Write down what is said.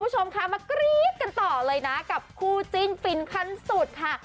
ผู้ชมครับมากรี๊บกันต่อเลยกับคู่จินฟินขั้นสุดค่ะ